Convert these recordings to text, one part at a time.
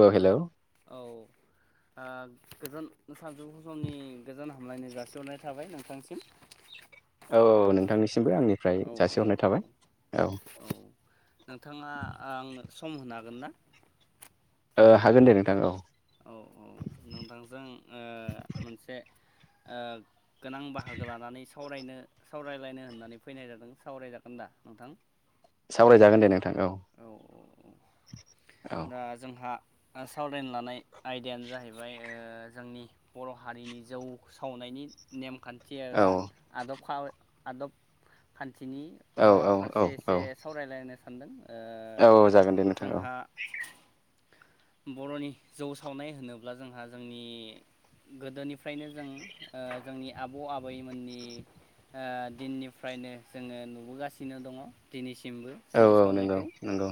अ hello औ आ गोजोन सानजौफु समनि गोजोन हामलायनाय जासिहरनाय थाबाय नोंथांनिसिम। औ नोंथांनिसि मबो आंनिफ्राय औ जासिहरनाय औ थाबाय औ। नोंथाङा आंनो सम होनो हागोन ना? ओ हागोन दे नोंथां औ। औ औ नोंथांजों ओ मोनसे ओ गोनां बाहागो लानानै सावरायनो सावरायलायनो होननानै फैनाय जादों सावरायजागोन दा? नोंथां? सावरायजागोन दे नों औ औ औ दा जोंहा सावरायनो लानाय आयदायानो जाहैबाय ओ जोंनि बर' हारिनि जौ सावनाय नि नेमखान्थि औ आरो आदब खा ओ आदबखान्थि खान्थिनि औ ओ औ औ फारसे एसे औ सावरायलायनो सानदों। ओ औ जागोन दे नोंथां औ। जोंहा बर'नि जौ सावनाय होनोब्ला जोंहा जोंनि गोदोनिफ्रायनो जों ओ जोंनि आबौ आबैमोननि ओ दिननिफ्रायनो जोङो नुबोगासिनो दङ दिनैसि सिमबो जौ औ औ नंगौ सावनायखौ नंगौ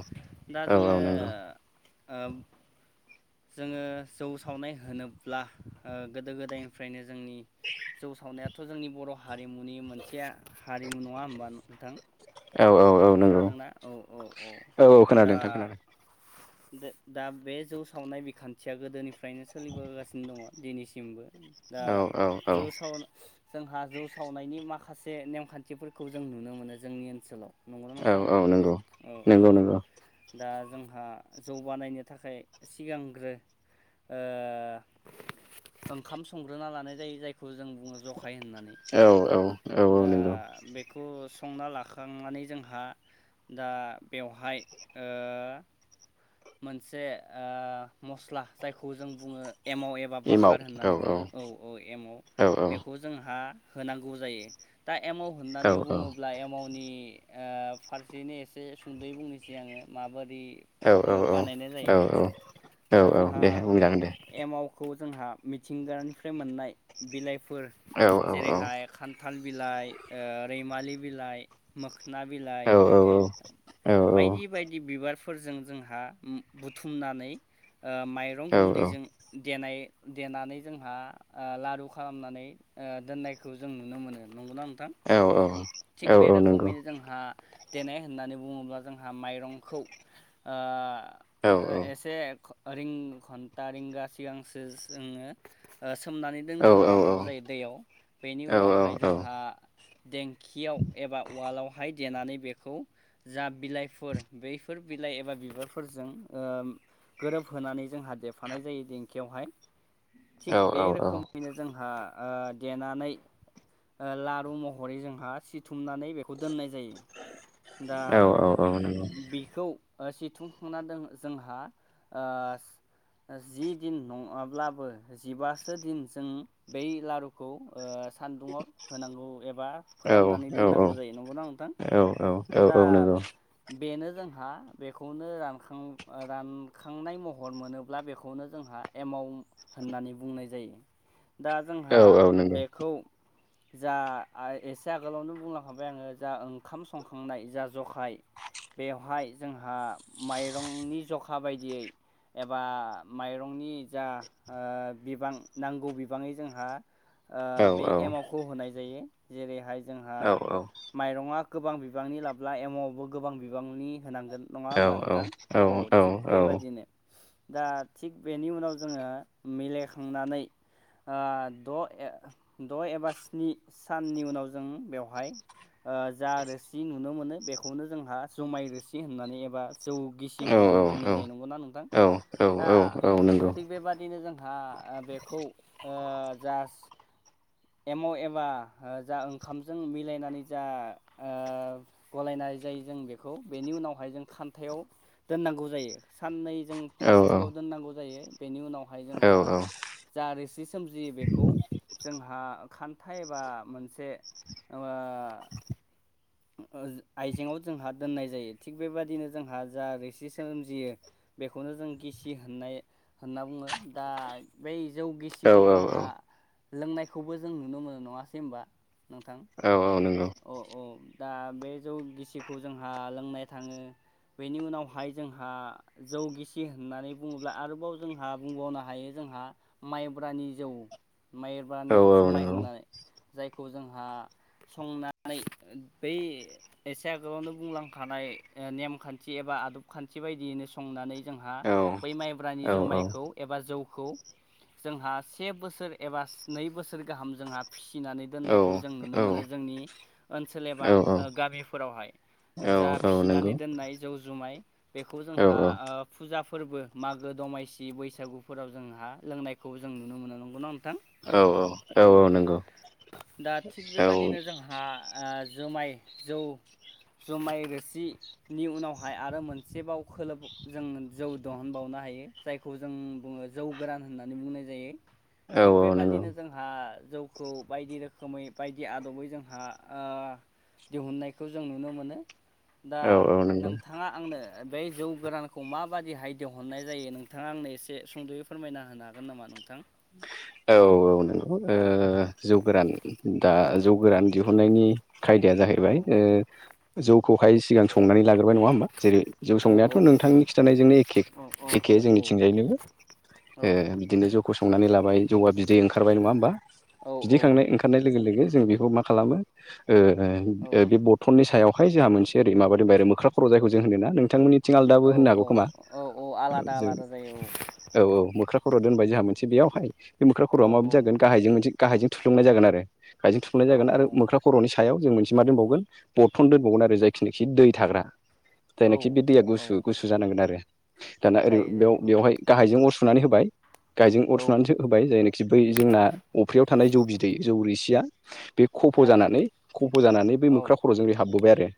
दा औ औ जोङो नंगौ ओ जोङो जौ सावनाय होनोब्ला ओ गोदो गोदायनिफ्रायनो जोंनि जौ सावनायाथ' जोंनि बर' हारिमुनि मोनसेया हारिमु नङा होमबा नोंथां? औ औ औ नंगौ खोनादोंना औ औ औ औ खोनादों दा नोंथां खोनादों दा बे जौ सावनाय बिखान्थिया गोदोनिफ्रायनो सोलिबोगासिनो दङ दिनैसिमबो दा औ औ औ जौ सावनो जोंहा जौ सावनायनि माखासे नेमखान्थिफोरखौ जों नुनो मोनो जोंनि ओनसोलाव नंगौना औ नोंथां औ नंगौ औ ओ नंगौ नंगौ दा जोंहा जौ बानायनो थाखाय सिगांग्रो ओ ओंखाम संग्रोना लानाय जायो जायखौ जों बुङो जखा थायो होननानै औ औ औ दा नंगौ बेखौ संना लाखांनानै जोंहा दा बेवहाय ओ मोनसे ओ मस्ला जायखौ जों बुङो एमाव एबा एमाव बाखार औ होननानै बुङो औ औ एमव औ बेखौ जोंहा होनांगौ जायो दा एमाव औ होननानै बुङोब्ला एमावनि ओ फारसेनो एसे सुंदै बुंनोसै आङो माबा दि औ ओ बानायनाय औ जायो औ औ दा औ जोंहा दे बुंजागोन दे एमावखौ जोंहा मिथिंगानिफ्राय मोननाय बिलाइफोर औ औ जेरैहाय खा खान्थाल बिलाइ ओ रैमालि बिलाइ मो ना बिलाइ औ औ बायदि बायदि बिबारफोरजों जोंहा बु बुथुमनानै ओ माइरं औ औ गुन्दैजों देनाय देनानै जोंहा ओ लारु खालामनानै दोननायखौ जों नुनो मोनो नंगौना नोंथां औ औ थिग औ बे औ नंगौ रोखोमैनो जोंहा देै होननानै बुङोब्ला जोंहा माइरंखौ ओ औ ओ औ एसे घन्टा रिंगा सिगांसो जोङो सोमनानै औ दोनग्रोना औ लानांगौ जायो दैयाव बेनि औ उनावहाय जोंहा दें खियाव एबा उवालावहाय देनानै बेखौ जा बिलाइफोर बैफोर बिलाइ एबा बिबारफोरजों ओ गोरोबहोनानै जोंहा देरफानाय जायो दिेंखियावहाय थिग बे रोखोमैनो जोंहा ओ देनानै ओ लारु महरै जोंहा सिथु थुमनानै बेखौ दोननाय जायो दा औ औ नंगौ बेखौ ओ सिथुं खना दों जोंहा ओ जि दिन नङाब्लाबो जिबासो दिन जों बै लारुखौ ओ सान्दुंआव होनांगौ एबा औ फोराननानै औ औ दोननांगौ जायो नंगौना नोंथां औ औ औ दा औ नंगौ बेनो जोंहा बेखौनो रानखां रानखांनाय महर मोनोब्ला बेखौनो जोंहा एमाव होननानै बुंनाय जायो दा औ जोंहा औ नंगौ बेखौ जा ए से आगोलावनो बुंलांखाबबाय आङो जा ओंखाम संखांनाय जा जखाय बेवहाय जोंहा माइरंनि जखा बायदियै एबा माइरंनि जा ओ बिबां नांगौ बिबांनि जोंहा ओ औ बे औ एमावखौ होनाय जायो जेरैहाय जोंहा माइरङा गोबां बिबांनि लाबब्ला एमाववबो गोबां बिबांनि होनांगोन नङा होमबा नोंथां औ थिग बेबादिनो दा थिग बेनि उनाव जोङो मिलायखांनानै ओ द द' एबा स्नि साननि उनाव जों बेवहाय जा आरो रोसि नुनो मोनो बेखौनो जोंहा जुमाय रोसि होननानै एबा जौ गिसि औ होननानै बुंनाय जायो नंगौना नोंथां दा औ नंगौ औ नंगौ औ नंगौ औ नंगौ औ नंगौ थिग बेबादिनो जों जोंहा बेखौ ओ जास्ट एमाव एबा जा ओंखामजों मिलायनानै जा गलायनाय ओ गलायनाय जाय जों बेखौ बेनि उनावहाय जों खनथायाव दोननांगौ जायो साननै जों औ प्लास्टिकआव दोननांगौ जायो बेनि उनाव बेहाय जोंहा जा रोसि सोमजियो बेखौ जों आ खान्थाइ एबा मोनसे [inaudible] ओ आयजेंआव जोंहा दोननाय जायो थिग बेबायदिनो जोंहा जा रोसि सोमजियो बेखौनो जों गिसि होननाय होनना बुङो दा बै जौ गिसिखौ जोंहा लोंनायखौबो जों नुनो मोनो नङासै होमबा नोंथां अ अ दा बे जौ गिसिखौ जोंहा लोंनाय थाङो बेनि उनावहाय जोंहा जौगिसि होननानै बुङोब्ला आरोबाव जोंहा बुंबावनो हायो जों जोंहा माइब्रानि जौ माइब्रानि जुमाय होननाय जायखौ जोंहा संनानै बै एसे आगोलावनो बुंलांखानाय ओह नेमखान्थि एबा आदब खान्थि बायदियैनो संनानै जोंहा बै माइब्रानि जोमायखौ एबा जौ खौ जोंहा से बोसोर एबा नै बोसोर गाहाम जोंहा फिसिनानै दोननायखौ जों नुनोमोनो जोंनि ओनसो एबा ओह गामिफोरावहाय जा फिसिनानै दोननाय जौ जुमाय बेखौ जोंहा ओह फुजा फोरबो मागो दमासि बैसागुफोराव जोंहा लोंनायखौ जों नुनो मोनो नंगौना नो नोंथां औ दा थिग बेबादिनो जोंहा ओ जोमाय जौ जुमायरोसिनि उनावहाय आरो मोनसेबाव खोलोब जों जौ दहनबावनो हायो जायखौ जों बुङो जौ गोरान होननानै बुंनाय जायो थिग औ नंगौ बेबादिनो जोंहा जौखौ बायदि रोखोमै बायदि आदबै जोंहा ओ दिहुननायखौ जों नुनोमोनो दा औ औ नंगौ नोंथाङा आंनो ओ बै जौ गोरानखौ माबादिहाय दोहनाय जायो नोंथाङा आंनो एसे सुंद'यै फोरमायना होनो हागोन नामा? नोंथां औ औ नोंगौ औ औ ओह जौ गोरान दा जौ औ गोरान दिहुननायनि खायदाया औ जाहैबाय ओ जौखौहाय सिगां संनानै लाग्रो बाय नङा होमबा जेरै जौ औ संनायाथ' नोंथांनि खिन्थानायजोंनो एखे औ एखे औ जोंनिथिंजायनोबो ओ बिदिनो जौखौ संनानै लाबाय बिदै ओंखारबाय नङा होमबा बिदै खांनाय ओंखारनाय लोगो लोगो जों बेखौ मा खालामो ओ ओ बे बथलनि सायावहाय जोंहा मोनसे ओरै माबादोनबाय आरो मोख्रा खर' जायखौ जों होनोना नोंथांमोननि थिं आलदाबो औ होननो औ हागौखोमा औ औ आलादा जों आलादा जायो औ औ मोख्रा खर' दोनबाय जोंहा मोनसे बेयावहाय बे मोख्रा खर'आ औ माबादि औ जागोन गाहायजों मोनसे गाहायजों थुफ्लुंनाय जागोन आरो गायजों थुफ्लनाय औ जागोन आरो मोख्रा खर'नि सायाव जों मोनस [unintelligible] मा दोनबावगोन बथल दोनबावगोन आरो जायखिनिखि दै थाग्रा औ जायनाखि बे दैया औ गुसु गुसु जानांगोन आरो दाना ओरैबो जायो बेव जायो बेवहाय गाहायजों अर सुनानै होबाय गाहायजों औ अर सुनानैसो ओमफ्राय जायनाखि बै जोंना अफ्रियाव थानाय जौ बिदै जौ रोसिया बे खफ' औ जानानै खफ' जानानै बै औ मोख्रा खर'जों बे हाबबोबाय आरो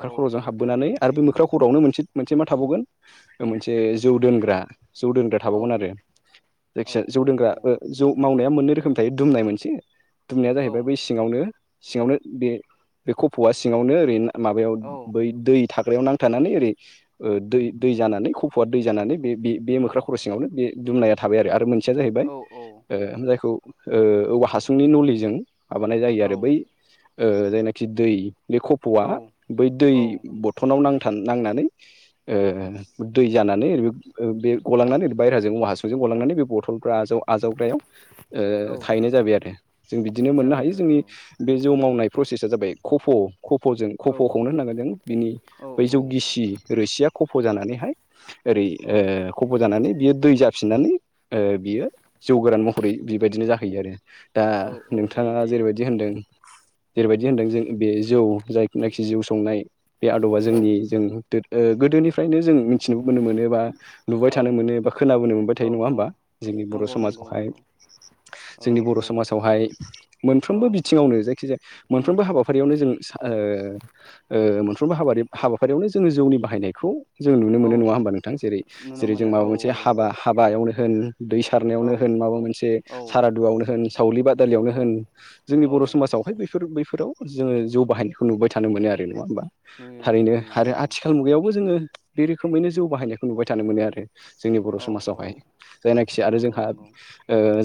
औ खर'जों औ हाबबोनानै थारैनो आरो बे सैथो मोख्र खर'आवनो मोनसे मोनसे मा थाबावगोन ओम मोनसे जौ दोनग्रा जौ दोनग्रा थाबावगोन औ आरो [unintelligible] औ फिसा जौ औ दोनग्रा औ ओ जौ मावनाया मोननै रोखोमनि थायो दुमनाय मोनसे दुमनाया औ जाहैबाय बै सिङावनो सिङावनो बे बे खफ'वा सिङावनो ओरै ना माबायाव औ बै दै थाग्रायाव नांथानानै ओरै ओ दै दै दै जानानै खफ'आ दै जानानै बे बे बे मोख्रा खर' सिङावनो बे दुमनाया थाबाय आरो मोन सेया जाहैबाय औ ओ [unintelligible] जायखौ ओह औवा हासुंनि नलिजों माबानाय जायो आरो बै ओह जायनाखि दै बे औ खफ'आ बै दै औ बथनाव नां था नांनानै ओह दै जानानैै ओरै ओह बेयो गलांनानै ओरै बायहेराजों औवा हासुंजों गलांनानै बे बथलफ्रा आजाव आजावग्रायाव ओह औ थाहैनाय जाबाय आरो जों बिदिनो मोननो जाबाय हायो जाबाय जोंनि औ बे जौ मावनाय प्रसेस आं जाबाय खफ'-खफ'जों औ खफ'खौनो होननांगोन जों बिनि औ बै जौगिसि रोसिया खफ' खफ' जानानैहाय ओरै औ ओह खफ' जानानै बियो दै जाफिननानै ओह बियो जौ गोरान महरै बेबायदिनो जाहैयो आरो दा औ जायो नोंथांङा जायो जेरैबायदि होनदों औ जेरैबायदि होन्दों जों बे जौ जायनाखि जिउ संनाय बे आदबा जोंनि जों गोदोनिफ्रायनो जों मिथिनोबो मोनो बा नुबाय औ थानो मोनो बा खोनाबोनो मोनबाय थायो औ नङा होमबा औ जोंनि बर नंगौ नंगौ समाजावहाय नंगौ औ जोंनि बर औ समाजावहाय औ मोनफ्रोमबो बिथिंङावनो जायखिजाया उम मोनफ्रोमबो हाबाफारियावनो जों ओ ओमोनफ्रोमबो हाबाफारियावनो जोंङो जौनि बाहायनायखौ जों नुनो औ मोनो नङा होमबा नोंथां जेरै नुनो जेरै जों मोनो माबा औ मोनसे हाबा हाबायावनो होन दै औ सारनायावनो होन माबा मोनसे औ सारादुआवनो होन सावरि बादालियावनो औ होन जोंनि औ बर समाजाव बहाय बेफोर बैफोराव जोंङो जौ बाहायनायखौ नुबाय थानो मोनो आरो नङा होमबा नुयो नुयो थारैनो नुयो आरो नंगौ आथिखाल मुगायावबो जोंङो बे रोखोमैनो जौ बाहायनायखौ नुबाय थानो मोनो आरो जोंनि बर औ औ समाजावहाय जायनाखि आरो नंगौ जोंहा नंगौ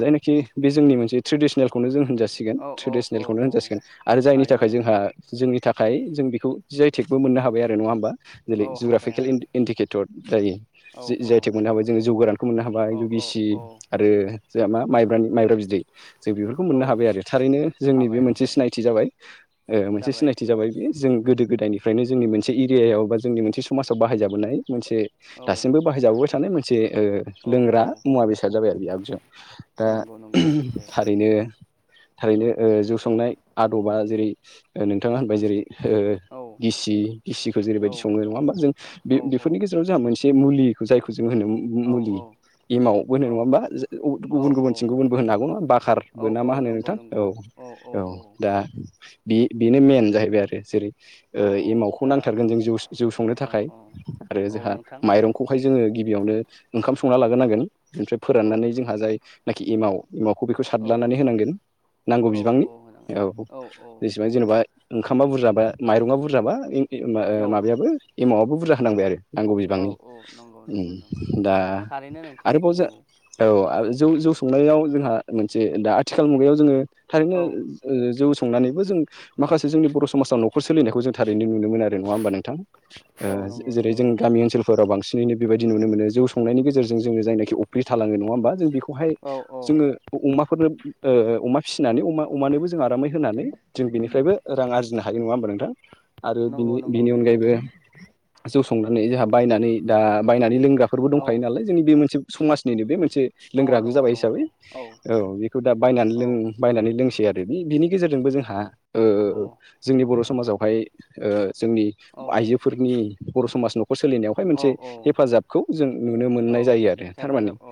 जायनाखि बे जोंनि मोनसे ट्रेडिसनेलखौनो जों होनजा सिगोन औ औ ट्रेडिशनल औ औ होनजासिगोन आरो जायनि थाखाय हारिमु औ जोंहा जोंनि थाखाय जों बेखौ जै थिगबो मोननो हाबाय आरो नङा होमबा जेरै औ हाबाय जुग्राफिकेल हाबाय इन्दिकेटर जायो औ औ जि आइ थेग मोननो हाबाय जोंङो जौ गोरानखौ मोननो हाबाय औ औ गिसि औ आरो जोंहा मा माइब्रानि माइब्रा बिदै जों बेफोरखौ औ मोननो हाबाय आरो थारैनो जोंनि बे हाबाय मोनसे हाबाय सिनायथि जाबाय मोनसे सिनायथि जाबाय बे जों गोदो गोदायनिफ्रायनो जोंनि मोनसे एरियायाव बा जोंनि मोनसे समाजाव बाहायजाबोनाय मोनसे औ दासिमबो बाहायजाबोबाय थानाय मोनसे औ लोंग्रा औ मुवा बेसाद जाबाय आरो बे आगजुयाव दा नंगौ नंगौ सैथो थारैनो थारैनो जौ संनाय आदबा जेरै नोंथाङा होनबाय जेरै ओ औ गिसि गिसिखौ जेरैबायदि औ संङो नङा होमा जों बे औ बेफोरनि गेजेराव जोंहा मोनसे मुलिखौ जायखौ जों होनो औ मुलि औ एमाव होनो नङा होमबा औ गुबुन गुबुनथिं गुबुनबो होनो हागौ नङा बाकारबो ना मा होनो नोंथां औ औ दा बे बेनो मेन जाहैबाय आरो जेरै ओ औ औ एमावखौ दा नांथारगोन जों जौ संनो औ थाखाय औ आरो औ जोंहा नोंथां माइरंखौहाय जोंङो गिबियावनो ओंखाम संना लाग्रोनांगोन ओमफ्राय औ फोराननानै जोंहा जायनाखि एमाव एमावखौ बेखौ औ सारलानानै होनांगोन नांगौ औ बिबांनि औ होनांगोन औ औ जेसेबां जेनबा ओंखामा बुरजाबा माइरंआ बुरजाबा औ माबायाबो एमावाबबो बुरजा होनांबाय आरो नांगौ बिबांनि औ नंगौ नंगौ नंगौ ओं दा थारैनो नोंथां आरोबाव औ जा औ जौ जौ संनायाव जोंहा मोनसे दा आथिखाल मुगायाव जोंङो थारैनो औ जौ संनानैबो जों माखासे जोंनि बर समाजाव नखर सोलिनायखौ जों थारैनो नुनो नुनो मोनो आरो नङा होमबा नोंथां औ नंगौ जेरै नंगौ जोंनि गामि नंगौ ओनसोलफोराव बांसि नैनो बेबायदि नुनो मोनो जौ संनायनि गेजेरजों जोंङो जायनाखि अफ्रि थालांङो नङा होमबा जों बेखौ खौहाय औ औ जोंङो अमाफोरनो ओ अमा फिसिनानै अमा अमानोबो जों आरामै होनानै जों बिनिफ्रायबो रां आरजिनो हायो नङा होमबा नोंथां आरो नंगौ नंगौ बिनि नंगौ अनगायैबो जौ संनानै जोहा बायनानै दा बायनानै लों ग्राफोरबो औ दंखायो नालाय जोंनि बे मोनसे समाजनिनो बे मोन मोनसे दङ लोंग्राबो दङ जाबाय दङ दङ हिसाबै औ बेखौ दा बायनानै औ लों बायनानै लोंसै आरो आरो बि बिनि गेजेरजोंबो जोंहा औ जोंनि बर समाजावहाय ओ जोंनि औ आइजोफोरनि बर समाज नखर सोलिनायावहाय औ मोनसे औ हेफाजाबखौ जों नुनो औ मोननाय जायो आरो थारमाने हेफाजाब औ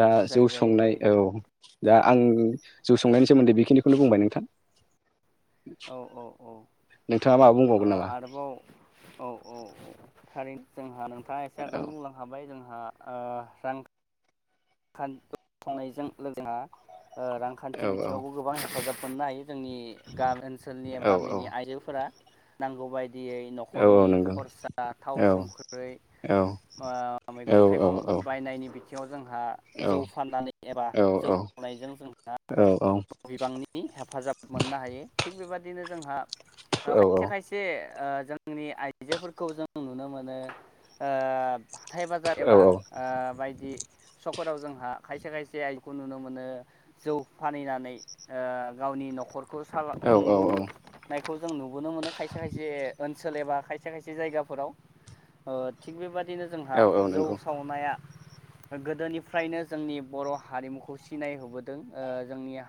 दा जौ जायो जायो संनाय जायो जायो औ दा आं जौ संनायनि सोमोन्दै बेखिनिखौनो बुंबाय नोंथां औ-औ-औ नोंथाङा माबा बुंबावगोन नामा ओआरोबाव औ-औ‌-औ। थारैनो जोंहा नोंथाङा एसे औ आगोलनो बुंलांखाबाय हाबाय जोंहा ओ रां [unintelligible] जोंहा ओ औ रांखान्थि औ बिथिङावबो गोबां हेफाजाब मोनननो हायो जोंनि गामि ओनसोलनि औ औ गामिनि आइजोफोरा नांगौबाय दियै औ औ नखरनि नंगौ खरसा थाव औ संख्रै‌ औ ओ औ मैगं औ थाइगं बायनायनि बि थिंयाव जोंहा जौ फाननानै एबा जौ सावनायजों जोंहा बिबांनि हेफाजाब मोननो हायो थिग बेबादिनो जोंहा अ खायसे-खायसे ओ जोंनि आइजोफोरखौ जों नुनो मोनो ओ हाथाय बाजार एबा ओ बायदि सकफोराव जोंहा खायसे खायसे आइखौ नुनो मोनो जौ फानैनानै ओ गावनि न'खर खौ सा औ खुंबोनायखौ जों नुबोनो मोनो खायसे खायसे ओन सोल एबा खायसे खायसे जायगाफोराव ओ थिग बेबादि बिदिनो जोंहा औ औ जौ नंगौ सावनाया गोदोनिफ्रायनो जोंनि बर' हारिमुखौ सिनाय होबोदों ओ जोंनि हा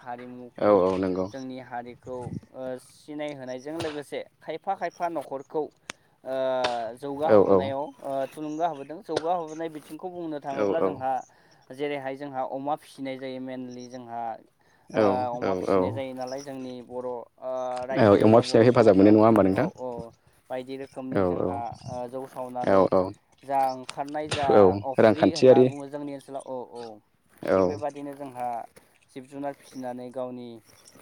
औ हारिमुखौ औ नंगौ जोंनि हारिखौ ओ सि सिनाय होनायजों लोगोसे खायफा खायफा न'खरखौ ओ औ औ जौगाहोबोनायाव ओ थुलुंगा होबोदों जौगाहोबोनाय बिथिंखौ बुंनो थाङोब्ला जोंहा औ जेरैहाय जोंहा अमा फिसिनाय जायो मेनलि जोंहा औ ओ अमा फिसिनाय जायो नालाय जोंनि बर' [inaudible] रायजो एबा बर' फिसायाव हेफाजाब मोनो समाजाव नङा होमबा औ नोंथां? अ बायदि औ रोखोमनि औ जोंहा ओ जौ औ सावनानै औ जा ओंखारनाय जा औ अफ्रि होनना रांखान्थियारि बुङो जोंनि ओनसोलाव औ औ औ थिग बेबादिनो जोंहा जिब जुनार फिसिनानै गावनि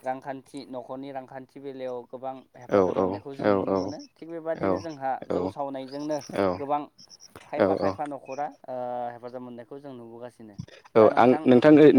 रांखान्थि न'खरनि रांखान्थि बेलायाव गोबां औ हेफाजाब मोननायखौ औ जों नुनो मोनो थिग बेबदिनो जोंहा जौ सावनायजोंनो औ गोबां खायफा औ खायफा न'खरा ओ हेफाजाब मोननायखौ जों नुबोगासिनो औ दा आं नोंथां जों